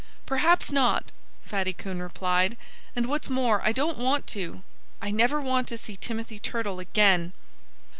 "Perhaps not!" Fatty Coon replied. "And what's more, I don't want to. I never want to see Timothy Turtle again."